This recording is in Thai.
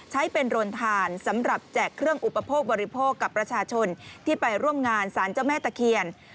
ใช้เป็นโรนทานสำหรับแจกเครื่องอุปโภคบริโภคกับประชาชนที่ไปร่วมงานสารเจ้าแม่ตะเคียน